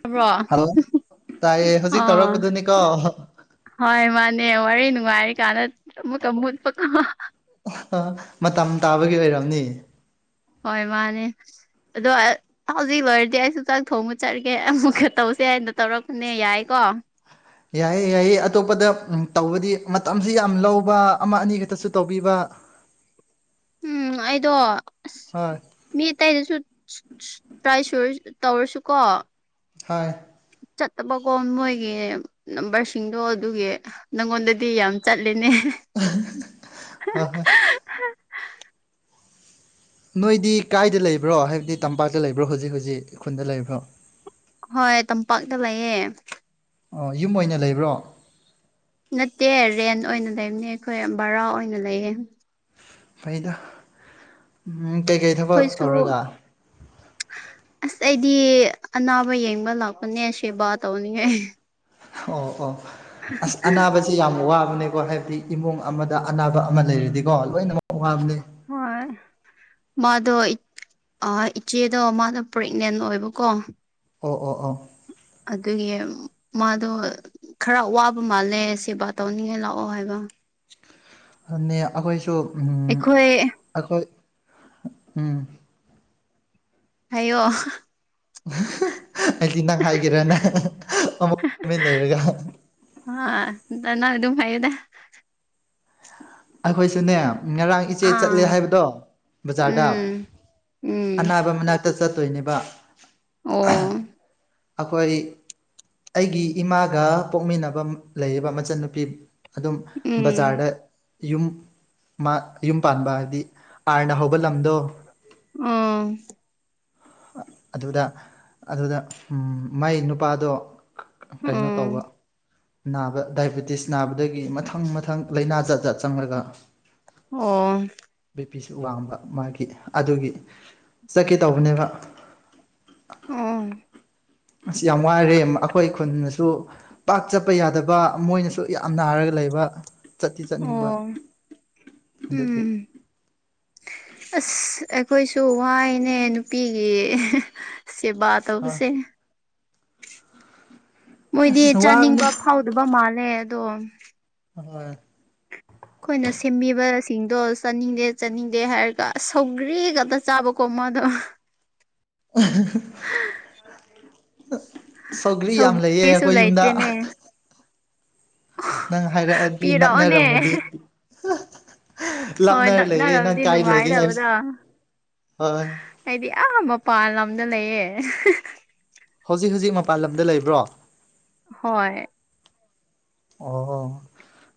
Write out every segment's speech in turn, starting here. ꯇꯥꯕ꯭ꯔꯣ ꯍꯜꯂꯣ ꯇꯥꯏꯌꯦ ꯍꯧꯖꯤꯛ ꯑꯥ ꯇꯧꯔꯛꯄꯗꯨꯅꯤꯀꯣ ꯍꯣꯏ ꯃꯥꯅꯦ ꯋꯥꯔꯤ ꯅꯨꯡꯉꯥꯏꯔꯤ ꯀꯥꯟꯗ ꯑꯃꯨꯛꯀ ꯑꯃꯨꯠ ꯑꯥ ꯃꯇꯝ ꯇꯥꯕꯒꯤ ꯑꯣꯏꯔꯝꯅꯤ ꯍꯣꯏ ꯃꯥꯅꯦ ꯑꯗꯣ ꯍꯧꯖꯤꯛ ꯑꯣꯏꯔꯗꯤ ꯑꯩꯁꯨ ꯆꯥꯛ ꯊꯣꯡꯕ ꯆꯠꯒꯦ ꯑꯃꯨꯛꯀ ꯇꯧꯁꯤ ꯁꯦ ꯑꯅ ꯇꯧꯔꯛꯄꯅꯦ ꯌꯥꯏꯀꯣ ꯌꯥꯏꯌꯦ ꯌꯥꯏꯌꯦ ꯑꯇꯣꯞꯄꯗ ꯇꯧꯕꯗꯤ ꯃꯇꯝꯁꯨ ꯌꯥꯝ ꯂꯧꯕ ꯑꯃ ꯑꯅꯤ ꯈꯛꯇꯁꯨ ꯇꯧꯕꯤꯕ ꯎꯝ ꯑꯩꯗꯣ ꯑꯁ ꯍꯣꯏ ꯃꯤ ꯑꯇꯩꯗꯁꯨ ꯇ꯭ꯔꯥꯏ ꯁꯨꯔ ꯇꯧꯔꯁꯨꯀꯣ ꯍꯥꯏ ꯆꯠꯇꯕꯀꯣ ꯃꯣꯏꯒꯤ ꯅꯝꯕꯔꯁꯤꯡꯗꯣ ꯑꯗꯨꯒꯤ ꯅꯪꯉꯣꯟꯗꯗꯤ ꯌꯥꯝ ꯆꯠꯂꯤ ꯍꯣꯏ ꯍꯣꯏ [unintelligible] ꯅꯣꯏꯗꯤ ꯀꯥꯏꯗ ꯂꯩꯕ꯭ꯔꯣ ꯍꯥꯏꯕꯗꯤ ꯇꯝꯄꯥꯛꯇ ꯂꯩꯕ꯭ꯔꯣ ꯍꯧꯖꯤꯛ ꯍꯧꯖꯤꯛ ꯈꯨꯟꯗ ꯂꯩꯕ꯭ꯔꯣ ꯍꯣꯏ ꯇꯝꯄꯥꯛꯇ ꯂꯩꯌꯦꯦ ꯑꯣ ꯌꯨꯝ ꯑꯣꯏꯅ ꯂꯩꯕ꯭ꯔꯣ ꯅꯠꯇꯦ ꯔꯦꯟ ꯑꯣꯏꯅ ꯂꯩꯕꯅꯦ ꯑꯩꯈꯣꯏ ꯕꯔꯥ ꯑꯣꯏꯅ ꯂꯩꯌꯦ ꯐꯩꯗ ꯎꯝ ꯀꯩꯀꯩ ꯊꯕꯛ ꯑꯩꯈꯣꯏꯁꯨ ꯇꯧꯔꯒ ꯑꯁ ꯑꯩꯗꯤ ꯑꯅꯥꯕ ꯌꯦꯡꯕ ꯂꯥꯛꯄꯅꯦ ꯁꯦꯕꯥ ꯇꯧꯅꯤꯡꯉꯦ ꯑꯣ ꯑꯣ ꯑꯁ ꯑꯅꯥꯕꯁꯤ ꯌꯥꯝ ꯋꯥ ꯍꯥꯏꯕꯗꯤ ꯏꯃꯨꯡ ꯑꯃꯗ ꯑꯅꯥꯕ ꯑꯃ ꯂꯩꯔꯗꯤꯀꯣ ꯂꯣꯏꯅꯃꯛ ꯋꯥꯕꯅꯦ ꯍꯣꯏ ꯃꯥꯗꯣ ꯑ ꯏꯆꯦꯗꯣ ꯃꯥꯗꯣ ꯄ꯭ꯔꯦꯒꯅꯦꯟ ꯑꯣꯏꯕꯀꯣ ꯑꯣ ꯑꯣ ꯑꯣ ꯑꯗꯨꯒꯤ ꯃꯥꯗꯣ ꯈꯔ ꯋꯥꯕ ꯃꯥꯜꯂꯦ ꯁꯦꯕꯥ ꯇꯧꯅꯤꯡꯉꯥꯏ ꯂꯥꯛꯑꯣ ꯍꯥꯏꯕ [inaudible] ꯍꯟꯅꯦ ꯑꯈꯣꯏꯁꯨ ꯑꯩꯈꯣꯏ ꯎꯝ ꯍꯩꯌꯣ [unintelligible] ꯑꯩꯏꯗꯤ ꯅꯪ ꯍꯥꯏꯒꯦꯔꯅ ꯑꯃꯨꯛ ꯇꯨꯃꯤꯟ ꯂꯩꯔꯒ ꯅꯅꯪ ꯑꯗꯨꯝ ꯍꯥꯏꯌꯣꯗ ꯑꯈꯣꯏꯁꯨꯅꯦ ꯉꯔꯥꯡ ꯏꯆꯦ ꯆꯠꯂꯦ ꯑꯥ ꯍꯥꯏꯕꯗꯣ ꯕꯖꯥꯔꯗ ꯎꯝ ꯎꯝ ꯑꯅꯥꯕ ꯃꯅꯥꯛ ꯇ ꯆꯠꯇꯣꯏꯅꯦꯕ ꯑꯣ ꯑꯩꯈꯣꯏ ꯑꯩꯒꯤ ꯏꯃꯥꯒ ꯄꯣꯛꯃꯤꯟꯅꯕ ꯃ ꯂꯩꯌꯦꯕ ꯃꯆꯟꯅꯨꯄꯤ ꯑꯗꯨꯝ ꯎꯝ ꯕꯖꯥꯔꯗ ꯌꯨꯝ ꯃꯥ ꯌꯨꯝ ꯄꯥꯟꯕ ꯍꯥꯏꯗꯤ ꯑꯥꯔꯅ ꯍꯧꯕ ꯂꯝꯗꯣ ꯑꯝ ꯑꯗꯨꯗ ꯑꯗꯨꯗ ꯎꯝ ꯃꯥꯏ ꯅꯨꯄꯥꯗꯣ ꯀꯩꯅꯣ ꯎꯝ ꯇꯧꯕ ꯅꯥꯕ ꯗꯥꯏꯕꯦꯇꯤꯁ ꯅꯥꯕꯗꯒꯤ ꯃꯊꯪ ꯃꯊꯪ ꯂꯩꯅꯥ ꯖꯥꯠꯖꯥꯠ ꯆꯪꯂꯒ ꯑꯣ ꯅꯨꯄꯤꯁꯨ ꯋꯥꯡꯕ ꯃꯥꯒꯤ ꯑꯗꯨꯒꯤ ꯆꯠꯀꯦ ꯇꯧꯕꯅꯦꯕ ꯑꯣ ꯑꯁ ꯌꯥꯝ ꯋꯥꯏꯔꯦ ꯑꯩꯈꯣꯏ ꯈꯨꯟꯅꯁꯨ ꯄꯥꯛ ꯆꯠꯄ ꯌꯥꯗꯕ ꯃꯣꯏꯅꯁꯨ ꯌꯥꯝ ꯅꯥꯔꯒ ꯂꯩꯕ ꯆꯠꯇꯤ ꯆꯠꯅꯤꯡꯕ ꯑꯣ ꯑꯗꯨꯒꯤ ꯎꯝ ꯑꯁ ꯑꯩꯈꯣꯏꯁꯨ ꯋꯥꯏꯅꯦ ꯅꯨꯄꯤꯒꯤ ꯀꯦꯕꯥ ꯑꯥ ꯇꯧꯕꯁꯦ ꯃꯣꯏꯗꯤ ꯑꯁ ꯋꯥꯕꯅꯤ ꯆꯥꯅꯤꯡꯕ ꯐꯥꯎꯗꯕ ꯃꯥꯜꯂꯦ ꯑꯗꯣ ꯑꯍꯣꯏ ꯑꯈꯣꯏꯅ ꯁꯦꯝꯕꯤꯕꯁꯤꯡꯗꯣ ꯆꯥꯅꯤꯡꯗꯦ ꯆꯥꯅꯤꯡꯗꯦ ꯍꯥꯏꯔꯒ ꯑꯁ ꯁꯧꯒ꯭ꯔꯤꯉꯛꯇ ꯆꯥꯕꯀꯣ ꯃꯥꯗꯣ ꯑꯍꯥ ꯍꯥ ꯁꯧꯒ꯭ꯔꯤ ꯌꯥꯝ ꯂꯩꯌꯦ ꯁꯧꯒ꯭ꯔꯤꯁꯨ ꯑꯈꯣꯏ ꯌꯨꯝꯗ ꯂꯩꯇ꯭ꯔꯦꯅꯦ ꯅꯪ ꯍꯥꯏꯔꯛꯑꯗꯤ ꯄꯤꯔꯛꯑꯣꯅꯦ ꯅꯛꯅꯔꯝꯃꯗꯤ ꯍꯣꯏ ꯂꯥꯞꯅꯔ ꯂꯩꯌꯦ ꯅꯪ ꯅꯛꯅꯔꯕꯗꯤ ꯀꯥꯏ ꯂꯩꯒꯦ ꯍꯥꯏꯕꯁ ꯅꯨꯡꯉꯥꯏꯗꯕꯗꯣ ꯍꯣꯏ ꯑꯩꯗꯤ ꯑꯥ ꯃꯄꯥꯟ ꯂꯝꯗ ꯂꯩꯌꯦ ꯍꯧꯖꯤꯛ ꯍꯧꯖꯤꯛ ꯃꯄꯥꯜ ꯂꯝꯗ ꯂꯩꯕ꯭ꯔꯣ ꯍꯣꯏ ꯑꯣ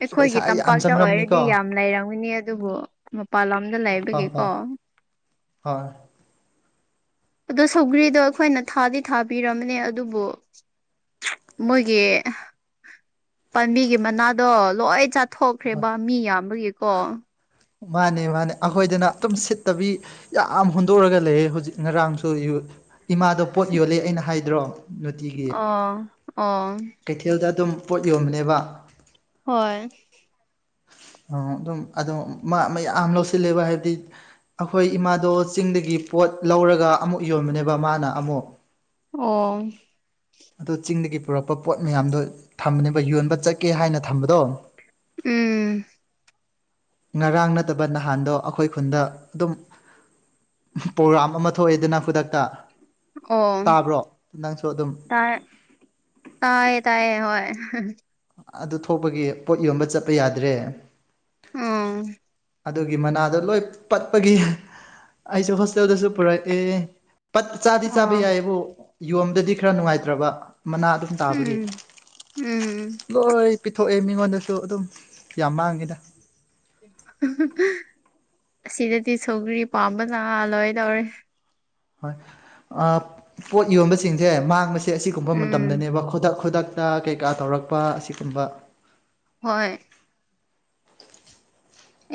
ꯑꯈꯣꯏꯒꯤ ꯄꯩꯁꯥ ꯌꯥꯝ ꯇꯝꯄꯥꯛꯇ ꯑꯣꯏꯔꯗꯤ ꯆꯪꯔꯝꯅꯤꯀꯣ ꯌꯥꯝ ꯂꯩꯔꯝꯒꯅꯤ ꯑꯗꯨꯕꯨ ꯃꯄꯥꯟ ꯂꯝꯗ ꯍꯣꯏ ꯂꯩꯕꯒꯤꯀꯣ ꯍꯣꯏ [inaudible] ꯍꯣꯏ ꯑꯗꯣ ꯁꯧꯒ꯭ꯔꯤꯗꯣ ꯑꯈꯣꯏꯅ ꯊꯥꯗꯤ ꯊꯥꯕꯤꯔꯝꯕꯅꯦ ꯑꯗꯨꯕꯨ ꯃꯣꯏꯒꯤ ꯄꯥꯝꯕꯤꯒꯤ ꯃꯅꯗꯣ ꯂꯣꯏ ꯆꯠ ꯍꯣꯏ ꯊꯣꯛꯈ꯭ꯔꯦꯕ ꯃꯤ ꯌꯥꯝꯕꯒꯤꯀꯣ ꯃꯥꯅꯦ ꯃꯥꯅꯦ ꯑꯈꯣꯏꯗꯅ ꯑꯗꯨꯝ ꯁꯤꯠꯇꯕꯤ ꯌꯥꯝ ꯍꯨꯟꯗꯣꯛꯔꯒ ꯂꯩꯌꯦ ꯍꯧꯖꯤꯛ ꯉꯔꯥꯡꯁꯨ ꯌꯨ ꯏꯃꯥꯗꯣ ꯄꯣꯠ ꯌꯣꯜꯂꯦ ꯑꯩꯅ ꯍꯥꯏꯗ꯭ꯔꯣ ꯅꯨꯡꯇꯤꯒꯤ ꯑꯣ ꯑꯣ ꯀꯩꯊꯦꯜꯗ ꯑꯗꯨꯝ ꯄꯣꯠ ꯌꯣꯟꯕꯅꯦꯕ ꯍꯣꯏ ꯑꯥ ꯑꯗꯨꯝ ꯑꯗꯣ ꯃꯥ ꯃꯌꯥꯝ ꯂꯧꯁꯤꯜꯂꯦꯕ ꯍꯥꯏꯕꯗꯤ ꯑꯈꯣꯏ ꯏꯃꯥꯗꯣ ꯆꯤꯡꯗꯒꯤ ꯄꯣꯠ ꯂꯧꯔꯒ ꯑꯃꯨꯛ ꯌꯣꯟꯕꯅꯦꯕ ꯃꯥꯅ ꯑꯃꯨꯛ ꯑꯣ ꯑꯗꯣ ꯆꯤꯡꯗꯒꯤ ꯄꯨꯔꯛꯄ ꯄꯣꯠ ꯃꯌꯥꯝꯗꯣ ꯊꯝꯕꯅꯦꯕ ꯌꯣꯟꯕ ꯆꯠꯀꯦ ꯍꯥꯏꯅ ꯊꯝꯕꯗꯣ ꯎꯝ ꯉꯔꯥꯡ ꯅꯠꯇꯕ ꯅꯍꯥꯟꯗꯣ ꯑꯈꯣꯏ ꯈꯨꯟꯗ ꯑꯗꯨꯝ ꯄ꯭ꯔꯣꯒ꯭ꯔꯥꯝ ꯑꯃ ꯊꯣꯛꯑꯦꯗꯅ ꯈꯨꯗꯛꯇ ꯑꯣ ꯇꯥꯕ꯭ꯔꯣ ꯅꯪꯁꯨ ꯑꯗꯨꯝ ꯇꯏꯌꯦ ꯇꯏꯌꯦ ꯍꯣꯏ ꯑꯗꯨ ꯊꯣꯛꯄꯒꯤ ꯄꯣꯠ ꯌꯣꯟꯕ ꯆꯠꯄ ꯌꯥꯗ꯭ꯔꯦ ꯑꯥ ꯑꯗꯨꯒꯤ ꯃꯅꯥꯗꯣ ꯂꯣꯏ ꯄꯠꯄꯒꯤ ꯑꯩꯁꯨ ꯍꯣꯁꯇꯦꯜꯗꯁꯨ ꯄꯨꯔꯛꯑꯦ ꯄꯠ ꯆꯥꯗꯤ ꯆꯥꯕ ꯑꯣ ꯌꯥꯏꯌꯦꯕꯨ ꯌꯣꯝꯕꯗꯗꯤ ꯈꯔ ꯅꯨꯡꯉꯥꯏꯇ꯭ꯔꯕ ꯃꯅꯥ ꯑꯗꯨꯝ ꯇꯥꯕꯒꯤ ꯎꯝ ꯎꯝ ꯂꯣꯏ ꯄꯤꯊꯣꯛꯑꯦ ꯃꯤꯉꯣꯟꯗꯁꯨ ꯑꯗꯨꯝ ꯌꯥꯝ ꯃꯥꯡꯉꯤꯗ [unintelligible] ꯑꯁꯤꯗꯗꯤ ꯁꯧꯒ꯭ꯔꯤ ꯄꯥꯝꯕꯅ ꯂꯣꯏꯗꯧꯔꯦ ꯍꯣꯏ ꯑꯥ ꯄꯣꯠ ꯌꯣꯟꯕꯁꯤꯡꯁꯦ ꯃꯥꯡꯕꯁꯤ ꯁꯦ ꯑꯁꯤꯒꯨꯝꯕ ꯎꯝ ꯃꯇꯝꯗꯅꯦꯕ ꯈꯨꯗꯛ ꯈꯨꯗꯛꯇ ꯀꯩꯀꯥ ꯇꯧꯔꯛꯄ ꯑꯁꯤꯒꯨꯝꯕ ꯍꯣꯏ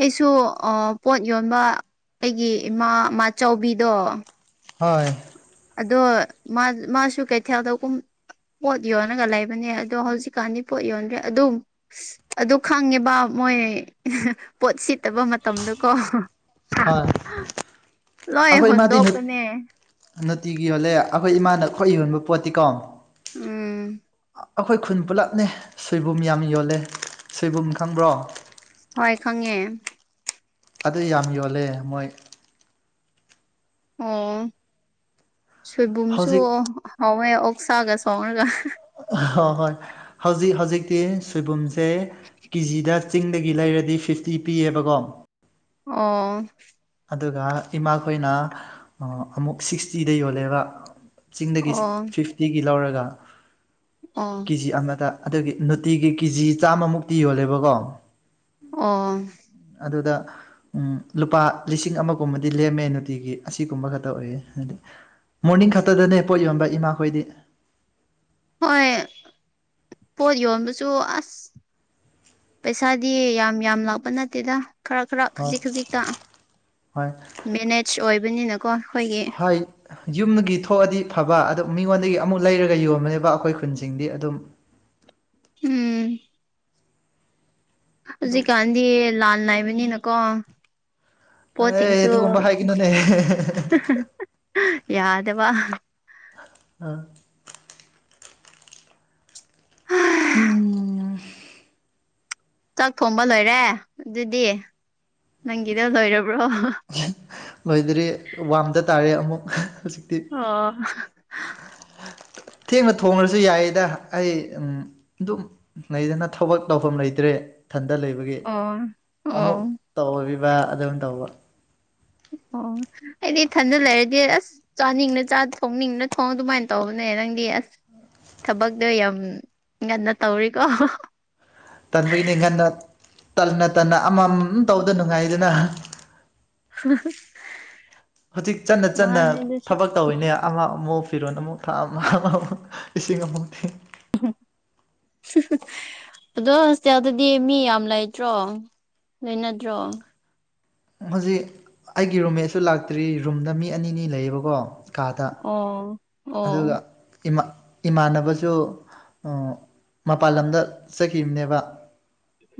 ꯑꯩꯁꯨ ꯑꯥ ꯄꯣꯠ ꯌꯣꯟꯕ ꯑꯩꯒꯤ ꯏꯃꯥ ꯃꯥꯆꯧꯕꯤꯗꯣ ꯍꯣꯏ ꯑꯗꯣ ꯃꯥ ꯃꯥꯁꯨ ꯀꯩꯊꯦꯜꯗ ꯀꯨꯝ ꯄꯣꯠ ꯌꯣꯟꯂꯒ ꯂꯩꯕꯅꯦ ꯑꯗꯣ ꯍꯧꯖꯤꯛꯀꯥꯟꯗꯤ ꯄꯣꯠ ꯌꯣꯟꯗ꯭ꯔꯦ ꯑꯗꯨ ꯑꯗꯨ ꯈꯪꯉꯦꯕ ꯃꯣꯏ ꯄꯣꯠ ꯁꯤꯠꯇꯕ ꯃꯇꯝꯗꯀꯣ ꯑ ꯂꯣꯏ ꯑꯩꯈꯣꯏ ꯃꯥꯗꯤ ꯍꯨꯟꯗꯣꯛꯄꯅꯦ ꯅꯨꯡꯇꯤꯒꯤ ꯌꯣꯜꯂꯦ ꯑꯩꯈꯣꯏ ꯏꯃꯥꯅ ꯈꯣꯏ ꯌꯣꯟꯕ ꯄꯣꯠꯇꯤꯀꯣ ꯎꯝ ꯑꯩꯈꯣꯏ ꯈꯨꯟ ꯄꯨꯂꯞꯅꯦ ꯁꯣꯏꯕꯨꯝ ꯌꯥꯝ ꯌꯣꯜꯂꯦ ꯁꯣꯏꯕꯨꯝ ꯈꯪꯕ꯭ꯔꯣ ꯍꯣꯏ ꯈꯪꯉꯦ ꯑꯗꯨ ꯌꯥꯝ ꯌꯣꯜꯂꯦ ꯃꯣꯏ ꯑꯣ ꯁꯣꯏꯕꯨꯝꯁꯨ ꯍꯧꯖꯤꯛ ꯍꯥꯎꯋꯦ ꯑꯣꯛꯁꯥꯒ ꯁꯣꯡꯔꯒ ꯍꯣꯏ ꯍꯣꯏ ꯍꯧꯖꯤꯛ ꯍꯧꯖꯤꯛꯇꯤ ꯁꯣꯏꯕꯨꯝꯁꯦ ꯀꯤꯖꯤꯗ ꯆꯤꯡꯗꯒꯤ ꯂꯩꯔꯗꯤ ꯐꯤꯐꯇꯤ ꯄꯤꯌꯦꯕꯀꯣ ꯑꯣ ꯑꯗꯨꯒ ꯏꯃꯥꯈꯣꯏꯅ ꯑꯃꯨꯛ ꯁꯤꯛꯁꯇꯤꯗ ꯌꯣꯜꯂꯦꯕ ꯆꯤꯡꯗꯒꯤ ꯑꯣ ꯐꯤꯐꯇꯤꯒꯤ ꯂꯧꯔꯒ ꯑꯣ ꯀꯦ ꯖꯤ ꯑꯃꯗ ꯑꯗꯨꯒꯤ ꯅꯨꯇꯤꯒꯤ ꯀꯤꯖꯤ ꯆꯥꯝꯃꯃꯨꯛꯇꯤ ꯌꯣꯜꯂꯦꯕꯀꯣ ꯑꯣ ꯎꯝ ꯂꯨꯄꯥ ꯂꯤꯁꯤꯡ ꯑꯃꯒꯨꯝꯕꯗꯤ ꯂꯦꯝꯃꯦ ꯅꯨꯡꯇꯤꯒꯤ ꯑꯁꯤꯒꯨꯝꯕ ꯈꯛꯇ ꯑꯣꯏꯌꯦ ꯍꯥꯏꯗꯤ ꯃꯣꯔꯅꯤꯡ ꯈꯛꯇꯗꯅꯦ ꯄꯣꯠ ꯌꯣꯟꯕ ꯏꯃꯥꯈꯣꯏꯗꯤ ꯍꯣꯏ ꯄꯣꯠ ꯌꯣꯟꯕꯁꯨ ꯑꯁ ꯄꯩꯁꯥꯗꯤ ꯌꯥꯝ ꯌꯥꯝ ꯂꯥꯛꯄ ꯅꯠꯇꯦꯗ ꯈꯔ ꯈꯔ ꯍꯣꯏ ꯈꯖꯤꯛ ꯈꯖꯤꯛꯇ ꯍꯣꯏ ꯃꯦꯅꯦꯖ ꯑꯣꯏꯕꯅꯤꯅꯀꯣ ꯑꯩꯈꯣꯏꯒꯤ ꯍꯣꯏ ꯌꯨꯝꯗꯒꯤ ꯊꯣꯛꯑꯗꯤ ꯐꯕ ꯑꯗꯨ ꯃꯤꯉꯣꯟꯗꯒꯤ ꯑꯃꯨꯛ ꯂꯩꯔꯒ ꯌꯣꯟꯕꯅꯦꯕ ꯑꯩꯈꯣꯏ ꯈꯨꯟꯁꯤꯡꯗꯤ ꯑꯗꯨꯝ ꯎꯝ ꯑꯗꯨꯝ ꯍꯧꯖꯤꯛꯀꯥꯟꯗꯤ ꯂꯥꯟ ꯂꯩꯕꯅꯤꯅꯀꯣ ꯑꯦ ꯄꯣꯠꯁꯤꯡꯁꯨ ꯑꯗꯨꯒꯨꯝꯕ ꯍꯥꯏꯒꯅꯨꯅꯦ [unintelligible] ꯌꯥꯗꯕ ꯑ [inaudible] ꯎꯝ ꯆꯥꯛ ꯊꯣꯡꯕ ꯂꯣꯏꯔꯦ ꯑꯗꯨꯗꯤ ꯅꯪꯒꯤꯗ ꯂꯣꯏꯔꯕ ꯂꯣꯏꯗꯔꯤ ꯋꯥꯝꯗ ꯇꯥꯔꯦ ꯑꯃꯨꯛ ꯍꯧꯖꯤꯛꯇꯤ ꯑꯣ ꯊꯦꯡꯅ ꯊꯣꯡꯉꯁꯨ ꯌꯥꯏꯌꯦꯗ ꯑꯩ ꯑꯗꯨꯝ ꯂꯩꯗꯅ ꯊꯕꯛ ꯇꯧꯐꯝ ꯂꯩꯇ꯭ꯔꯦ ꯏꯊꯟꯗ ꯂꯩꯕꯒꯤ ꯑꯣ ꯑꯣ ꯑꯃꯨꯛ ꯇꯧꯕꯤꯕ ꯑꯗꯨꯝ ꯇꯧꯕ ꯑꯣ ꯑꯩꯗꯤ ꯏꯊꯟꯗ ꯂꯩꯔꯗꯤ ꯑꯁ ꯆꯥꯅꯤꯡꯅ ꯆꯥ ꯊꯣꯡꯅꯤꯡꯅ ꯊꯣꯡ ꯑꯗꯨꯃꯥꯏꯅ ꯇꯧꯕꯅꯦ ꯅꯪꯗꯤ ꯑꯁ ꯊꯕꯛꯇꯣ ꯌꯥꯝ ꯉꯟꯅ ꯇꯧꯔꯤꯀꯣ ꯇꯟꯕꯒꯤꯅꯤ ꯉꯟꯅ ꯇꯟꯅ ꯇꯟꯅ ꯑꯃꯃꯝ ꯇꯧꯕꯗꯨ ꯅꯨꯡꯉꯥꯏꯗꯅ ꯍꯧꯖꯤꯛ ꯆꯠꯅ ꯆꯠꯅ ꯃꯥꯅꯦ ꯑꯗꯨꯁꯨ ꯊꯕꯛ ꯇꯧꯋꯤꯅꯦ ꯑꯃ ꯑꯃꯨꯛ ꯐꯤꯔꯣꯟ ꯑꯃꯨꯛ ꯊꯥ ꯑꯃ [unintelligible] ꯏꯁꯤꯡ ꯑꯃꯨꯛ ꯊꯛ [unintelligible] [unintelligible] ꯑꯗꯣ ꯍꯣꯁꯇꯦꯜꯗꯗꯤ ꯃꯤ ꯌꯥꯝ ꯂꯩꯇ꯭ꯔꯣ ꯂꯩꯅꯗ꯭ꯔꯣ ꯍꯧꯖꯤꯛ ꯑꯩꯒꯤ ꯔꯨꯝꯃꯦꯠꯁꯨ ꯂꯥꯛꯇ꯭ꯔꯤ ꯔꯨꯝꯗ ꯃꯤ ꯑꯅꯤꯅꯤ ꯂꯩꯌꯦꯕꯀꯣ ꯀꯥꯗ ꯑꯣ ꯑꯗꯨꯒ ꯑꯣ ꯏꯃꯥ ꯏꯃꯥꯟꯅꯕꯁꯨ ꯑꯥ ꯃꯄꯜ ꯂꯝꯗ ꯆꯠꯈꯤꯕꯅꯦꯕ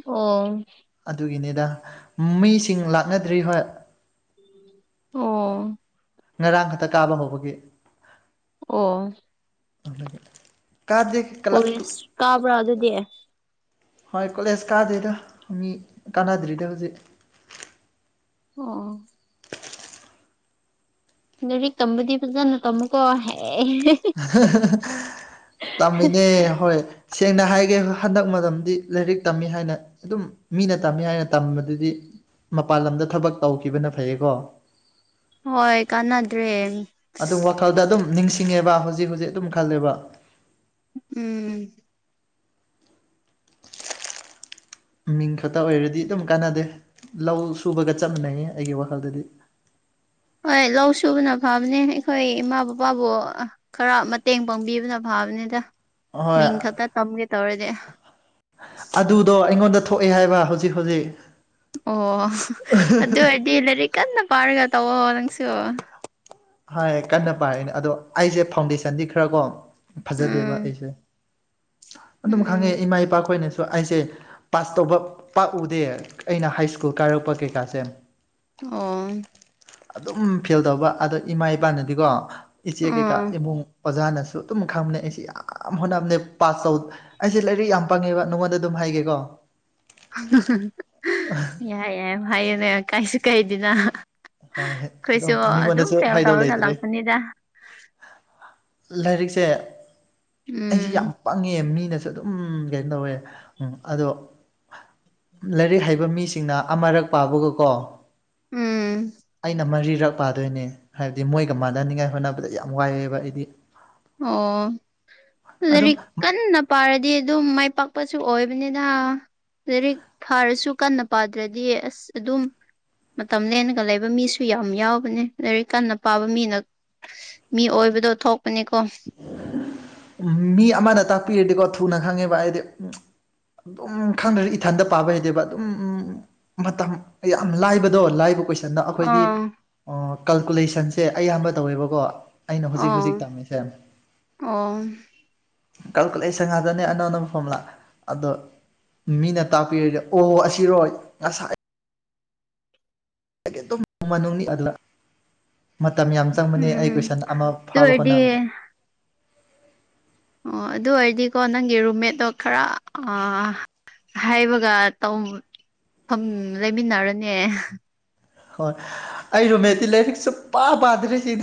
ꯑꯣ ꯑꯗꯨꯒꯤꯅꯤꯗ ꯃꯤꯁꯤꯡ ꯂꯥꯛꯅꯗ꯭ꯔꯤ ꯍꯣꯏ ꯑꯣ ꯉꯔꯥꯡ ꯈꯛꯇ ꯀꯥꯕ ꯍꯧꯕꯒꯤ ꯑꯣ ꯑꯗꯨꯒꯤ ꯀꯥꯗꯦ ꯀꯣꯖꯦꯁ ꯀꯥꯕ꯭ꯔꯥ ꯑꯗꯨꯗꯤ ꯍꯣꯏ ꯀꯣꯂꯦꯖ ꯀꯥꯗꯦꯗ ꯃꯤ ꯀꯥꯟꯅꯗ꯭ꯔꯤꯗ ꯍꯧꯖꯤꯛ ꯑꯣꯑꯣ [unintelligible] ꯂꯥꯏꯔꯤꯛ ꯇꯝꯕꯗꯤ ꯄꯖꯅ ꯇꯝꯃꯨꯀꯣ ꯍꯌꯦꯡ ꯇꯝꯃꯤꯅꯦ ꯍꯣꯏ ꯁꯦꯡꯅ ꯍꯥꯏꯒꯦ ꯍꯟꯗꯛ ꯃꯇꯝꯗꯤ ꯂꯥꯏꯔꯤꯛ ꯇꯝꯃꯤ ꯍꯥꯏꯅ ꯑꯗꯨꯝ ꯃꯤꯅ ꯇꯝꯃꯤ ꯍꯥꯏꯅ ꯇꯝꯕꯗꯨꯗꯤ ꯃꯄꯥꯟ ꯂꯝꯗ ꯊꯕꯛ ꯇꯧꯈꯤꯕꯅ ꯐꯩꯌꯦꯀꯣ ꯍꯣꯏ ꯀꯥꯟꯅꯗ꯭ꯔꯦ ꯑꯗꯨꯝ ꯋꯥꯈꯜꯗ ꯑꯗꯨꯝ ꯅꯤꯡꯁꯤꯡꯉꯦꯕ ꯍꯧꯖꯤꯛ ꯍꯧꯖꯤꯛ ꯑꯗꯨꯝ ꯈꯜꯂꯦꯕ ꯎꯝ ꯃꯤꯡ ꯈꯛꯇ ꯑꯣꯏꯔꯗꯤ ꯑꯗꯨꯝ ꯀꯥꯟꯅꯗꯦ ꯂꯧ ꯁꯨꯕꯒ ꯆꯞꯃꯤꯟꯅꯩꯌꯦ ꯑꯩꯒꯤ ꯋꯥꯈꯜꯗꯗꯤ [inaudible] ꯍꯣꯏ ꯂꯧ ꯁꯨꯕꯅ ꯐꯕꯅꯦ ꯑꯩꯈꯣꯏ ꯏꯃꯥ ꯕꯕꯥꯕꯨ ꯈꯔ ꯃꯇꯦꯡ ꯄꯥꯡꯕꯤꯕꯅ ꯐꯕꯅꯦ ꯐꯕꯅꯦꯗ ꯍꯣꯏ ꯃꯤꯡ ꯈꯛꯇ ꯇꯝꯒꯦ ꯇꯧꯔꯗꯤ ꯑꯗꯨꯗꯣ ꯑꯩꯉꯣꯟꯗ ꯊꯣꯛꯑꯦ ꯍꯥꯏꯕ ꯍꯧꯖꯤꯛ ꯍꯧꯖꯤꯛ ꯑꯣ ꯑꯗꯨ ꯑꯣꯏꯔꯗꯤ ꯂꯥꯏꯔꯤꯛ ꯀꯟꯅ ꯄꯥꯔꯒ ꯇꯧꯋꯣ ꯅꯪꯁꯨ ꯍꯥꯏ ꯀꯟꯅ ꯄꯥꯏꯔꯅꯦ ꯑꯗꯣ ꯑꯩꯁꯦ ꯐꯥꯎꯟꯗꯦꯁꯟꯗꯤ ꯈꯔ ꯀꯣ ꯎꯝ ꯐꯖꯗꯦꯕ ꯑꯩꯁꯦ [inaudible] ꯑꯗꯨꯝ ꯎꯝ ꯈꯪꯉꯦ ꯏꯃꯥ ꯏꯄꯥ ꯈꯣꯏꯅꯁꯨ ꯑꯗꯣ ꯑꯩꯁꯦ ꯄꯥꯁ ꯇꯧꯕ ꯄꯥꯛꯎꯗꯦ ꯑꯩꯅ ꯍꯥꯏ ꯁ꯭ꯀꯨꯜ ꯀꯥꯔꯛꯄ ꯀꯩꯀꯥꯁꯦ ꯑꯣ ꯑꯗꯨꯝ ꯐꯦꯜ ꯇꯧꯕ ꯑꯗꯣ ꯏꯃꯥ ꯏꯄꯥꯅꯗꯤꯀꯣ ꯏꯆꯦ ꯀꯩꯀꯥ ꯑꯣ ꯏꯃꯨꯡ ꯑꯣꯖꯥꯅꯁꯨ ꯑꯗꯨꯝ ꯈꯪꯕꯅꯦ ꯑꯩꯁꯤ ꯌꯥꯝ ꯍꯣꯠꯅꯕꯅꯦ ꯄꯥꯁ ꯇꯧ ꯑꯩꯁꯦ ꯂꯥꯏꯔꯤꯛ ꯌꯥꯝ ꯄꯪꯉꯦꯕ ꯅꯉꯣꯟꯗ ꯑꯗꯨꯝ ꯍꯥꯏ ꯍꯥꯏꯒꯦꯀꯣ ꯌꯥꯏ ꯌꯥꯏ ꯍꯥꯏꯌꯣꯅꯦ ꯀꯥꯏꯁꯨ ꯀꯥꯏꯗꯦꯅ ꯍꯣꯏ ꯑꯗꯨꯝ ꯑꯩꯈꯣꯏꯁꯨ ꯑꯗꯨꯝ ꯃꯤꯉꯣꯟꯗꯁꯨ ꯐꯦꯜ ꯍꯥꯏꯗꯧ ꯇꯧꯔꯒ ꯂꯩꯇ꯭ꯔꯦ ꯂꯥꯛꯄꯅꯤꯗ ꯂꯥꯏꯔꯤꯛꯁꯦ ꯑꯩꯁꯦ ꯌꯥꯝ ꯎꯝ ꯄꯪꯉꯦ ꯃꯤꯅ ꯑꯗꯨꯝ ꯀꯩꯅꯣ ꯇꯧꯋꯦ ꯎꯝ ꯑꯗꯣ ꯂꯥꯏꯔꯤꯛ ꯍꯩꯕ ꯃꯤꯁꯤꯡꯅ ꯑꯃꯔꯛ ꯄꯥꯕꯒꯀꯣ ꯎꯝ ꯑꯩꯅ ꯃꯔꯤꯔꯛ ꯄꯥꯗꯣꯏꯅꯦ ꯍꯥꯏꯕꯗꯤ ꯃꯣꯏꯒ ꯃꯥꯟꯅꯅꯤꯉꯥꯏ ꯍꯣꯠꯅꯕꯗ ꯌꯥꯝ ꯋꯥꯏꯑꯦꯕ ꯑꯩꯗꯤ ꯑꯣ ꯑꯗꯨꯝ ꯂꯥꯏꯔꯤꯛ ꯀꯟꯅ ꯄꯥꯔꯗꯤ ꯑꯗꯨꯝ ꯃꯥꯢ ꯄꯛꯄꯁꯨ ꯑꯣꯏꯕꯅꯤꯗ ꯂꯥꯏꯔꯤꯛ ꯐꯥꯔꯁꯨ ꯀꯟꯅ ꯄꯥꯗ꯭ꯔꯗꯤ ꯑꯁ ꯑꯗꯨꯝ ꯃꯇꯝ ꯂꯦꯟꯂꯒ ꯂꯩꯕ ꯃꯤꯁꯨ ꯌꯥꯝ ꯌꯥꯎꯕꯅꯦ ꯂꯥꯏꯔꯤꯛ ꯀꯟꯅ ꯄꯥꯕ ꯃꯤꯅ ꯃꯤ ꯑꯣꯏꯕꯗꯣ ꯊꯣꯛꯄꯅꯤꯀꯣ ꯎꯝ ꯃꯤ ꯑꯃꯅ ꯇꯥꯛꯄꯤꯔꯗꯤꯀꯣ ꯊꯨꯅ ꯈꯪꯉꯦꯕ ꯑꯥꯏꯗꯤ ꯎꯝ ꯑꯗꯨꯝ ꯈꯪꯗꯔꯗꯤ ꯏꯊꯟꯗ ꯄꯥꯕ ꯍꯩꯇꯦꯕ ꯑꯗꯨꯝ ꯎꯝ ꯃꯇꯝ ꯌꯥꯝ ꯂꯥꯏꯕꯗꯣ ꯂꯥꯏꯕ ꯀꯣꯏꯁꯟ ꯁꯟꯗ ꯑꯩꯈꯣꯏꯗꯤ ꯑꯥ ꯑꯥ ꯀꯜꯀꯨꯂꯦꯁꯟꯁꯦ ꯑꯩꯌꯥꯝꯕ ꯇꯧꯋꯦꯕꯀꯣ ꯑꯩꯅ ꯍꯨꯖꯤꯛ ꯑꯣ ꯍꯨꯖꯤꯛ ꯇꯝꯃꯤꯁꯦ ꯑꯣ ꯀꯜꯀꯨꯂꯦꯁꯟ ꯉꯥꯛꯇꯅꯦ ꯑꯅꯧ ꯑꯅꯧ ꯐꯣꯃꯨꯂꯥ ꯑꯗꯣ ꯃꯤꯅ ꯇꯥꯛꯄꯤꯔꯗꯤ ꯑꯣ ꯑꯁꯤꯔꯣ ꯉꯁꯥꯏ [unintelligible] ꯃꯇꯝ ꯌꯥꯝ ꯆꯪꯕꯅꯦ ꯑꯩ ꯎꯝ ꯀꯣꯏꯁꯟ ꯑꯃ ꯑꯗꯨ ꯐꯥꯕ ꯑꯣꯏꯔꯗꯤ ꯍꯣꯠꯅꯕꯗ ꯑꯣ ꯑꯗꯨ ꯑꯣꯏꯔꯗꯤꯀꯣ ꯅꯪꯒꯤ ꯔꯨꯝꯃꯦꯠꯇꯣ ꯈꯔ ꯑꯥ ꯍꯥꯏꯕꯒ ꯇꯧ ꯐꯝ ꯂꯩꯃꯤꯟꯅꯔꯅꯤ ꯍꯣꯏ ꯑꯩ ꯔꯨꯝꯃꯦꯠꯗꯤ ꯂꯥꯏꯔꯤꯛ ꯁꯨꯛꯄꯥ ꯄꯥꯗ꯭꯭ꯔꯤꯁꯤ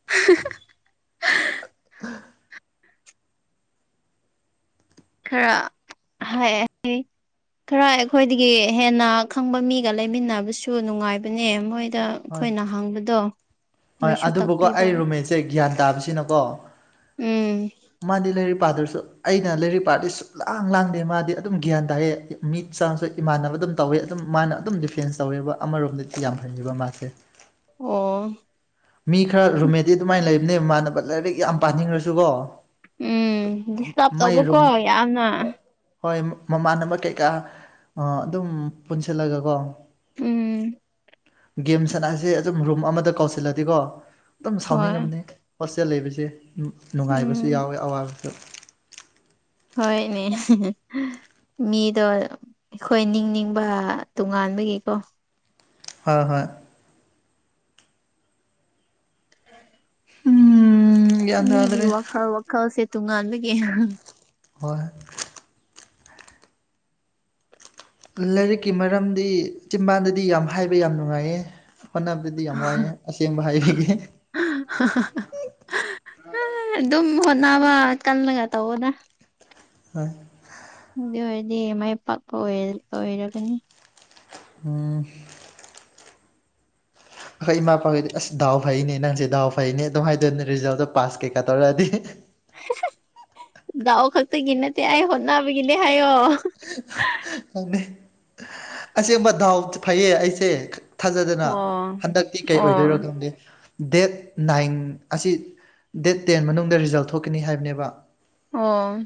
[unintelligible] [inaudible] ꯈꯔ ꯍꯥꯏ ꯈꯔ ꯑꯩꯈꯣꯏꯗꯒꯤ ꯍꯦꯟꯅ ꯈꯪꯕ ꯃꯤꯒ ꯂꯩꯃꯤꯟꯅꯕꯁꯨ ꯅꯨꯡꯉꯥꯏꯕꯅꯦ ꯃꯣꯏ ꯗ ꯍꯣꯏ ꯈꯣꯏꯅ ꯍꯪꯕꯗꯣ ꯍꯣꯏ ꯃꯣꯏꯁꯨ ꯑꯗꯨꯕꯨꯀꯣ ꯇꯥꯛꯄꯤꯕ ꯑꯩ ꯔꯨꯝꯃꯦꯠꯁꯦ ꯒ꯭ꯌꯥꯟ ꯇꯥꯕꯁꯤꯅꯀꯣ ꯎꯝ ꯃꯥꯗꯤ ꯂꯩꯔ ꯔꯤꯛ ꯄꯥꯗꯨꯁꯨ ꯑꯩꯅ ꯂꯩꯔꯤꯛ ꯄꯥꯔꯗꯤ ꯁꯨꯛ ꯂꯥꯡ ꯂꯥꯡꯗꯦ ꯃꯥꯗꯤ ꯑꯗꯨꯝ ꯒ꯭ꯌꯥꯟ ꯇꯥꯌꯦ ꯃꯤꯠ ꯆꯥꯡꯁꯨ ꯏꯃꯥꯟꯅ ꯑꯗꯨꯝ ꯇꯧꯋꯦ ꯑꯗꯨꯝ ꯃꯥꯅ ꯑꯗꯨꯝ ꯗꯤꯐꯦꯟꯁ ꯇꯧꯋꯦꯕ ꯑꯃꯔꯣꯝꯗꯗꯤ ꯌꯥꯝ ꯐꯩꯌꯦꯕ ꯃꯥꯁꯦ ꯑꯣ ꯃꯤ ꯈꯔ ꯔꯨꯃꯦꯠꯗꯤ ꯑꯗꯨꯃꯥꯏ ꯂꯩꯕꯅꯦ ꯃꯃꯥꯟꯅꯕ ꯂꯥꯏꯔꯤꯛ ꯌꯥꯝ ꯄꯥꯅꯤꯡꯔꯁꯨꯀꯣ ꯎꯝ ꯗꯤꯁꯇꯞ ꯃꯥꯏ ꯔꯨꯝ ꯇꯧꯕꯀꯣ ꯌꯥꯝꯅ ꯍꯣꯏ ꯃꯃꯥꯟꯅꯕ ꯀꯩꯀꯥ ꯑꯥ ꯑꯗꯨꯝ ꯄꯨꯟꯁꯤꯜꯂꯒꯀꯣ ꯎꯝ ꯒꯦꯝ ꯁꯅꯥꯁꯦ ꯑꯗꯨꯝ ꯔꯨꯝ ꯑꯃꯗ ꯀꯧꯁꯤꯜꯂꯗꯤꯀꯣ ꯑꯗꯨꯝ ꯍꯣꯏ ꯁꯥꯎꯅꯤꯡꯉꯝꯅꯤ ꯍꯣꯁꯇꯦꯜ ꯂꯩꯕꯁꯦ ꯅꯨꯡꯉꯥꯏꯕꯁꯨ ꯎꯝ ꯌꯥꯎꯋꯦ ꯑꯋꯥꯕꯁꯨ ꯍꯣꯏꯅꯦ ꯃꯤꯗꯣ ꯑꯩꯈꯣꯏ ꯅꯤꯡꯅꯤꯡꯕ ꯇꯣꯉꯥꯟꯕꯒꯤꯀꯣ ꯍꯣꯏ ꯍꯣꯏ ꯎꯝ ꯒ꯭ꯌꯥꯟ ꯃꯤꯒꯤ ꯇꯥꯗ꯭ꯔꯦ ꯋꯥꯈꯜ ꯋꯥꯈꯜꯁꯦ ꯇꯣꯉꯥꯟꯕꯒꯤ ꯍꯥ ꯍꯣꯏ ꯂꯥꯏꯔꯤꯛꯀꯤ ꯃꯔꯝꯗꯤ ꯆꯤꯝꯕꯥꯟꯗꯗꯤ ꯌꯥꯝ ꯍꯥꯏꯕ ꯌꯥꯝ ꯅꯨꯡꯉꯥꯏꯌꯦ ꯍꯣꯠꯅꯕꯗꯤ ꯌꯥꯝ ꯋꯥꯏꯌꯦ ꯑꯁꯦꯡꯕ ꯍꯥꯏꯕꯤꯒꯦ ꯍꯥ ꯑꯗꯨꯝ ꯍꯣꯠꯅꯕ ꯀꯜꯂꯒ ꯇꯧꯑꯣꯗ ꯍꯣꯏ ꯑꯗꯨ ꯑꯣꯏꯔꯗꯤ ꯃꯥꯏ ꯄꯥꯛꯄ ꯑꯣꯏꯔ ꯑꯣꯏꯔꯒꯅꯤ ꯎꯝ ꯑꯩ ꯃꯥ ꯄꯈꯣꯏꯗꯤ ꯑꯁ ꯗꯥꯎ ꯐꯩꯅꯦ ꯅꯪꯁꯦ ꯗꯥꯎ ꯐꯩꯅꯦ ꯑꯗꯨꯝ ꯍꯥꯏꯗꯣꯏꯅꯦ ꯔꯤꯖꯜꯗꯣ ꯄꯥꯁ ꯀꯩꯀꯥ ꯇꯧꯔꯛꯑꯗꯤ ꯗꯥꯎ ꯈꯛꯇꯒꯤ ꯅꯠꯇꯦ ꯑꯩ ꯍꯣꯠꯅꯕꯒꯤꯅꯦ ꯍꯥꯏꯌꯣ ꯈꯪꯗꯦ ꯑꯁꯦꯡꯕ ꯗꯥꯎꯁꯨ ꯐꯩꯌꯦ ꯑꯩꯁꯦ ꯊꯥꯖꯗꯅ ꯑꯣ ꯍꯟꯗꯛꯇꯤ ꯀꯩ ꯑꯣ ꯑꯣꯏꯗꯣꯏꯔꯣ ꯈꯪꯗꯦ ꯗꯦꯠ ꯅꯥꯏꯟ ꯑꯁꯤ ꯗꯦꯠ ꯇꯦꯟ ꯃꯅꯨꯡꯗ ꯔꯤꯖꯜ ꯊꯣꯛꯀꯅꯤ ꯍꯥꯏꯕꯅꯦꯕ ꯑꯣ